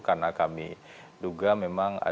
karena kami duga memang